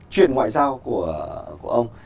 chuyện ngoại giao của ông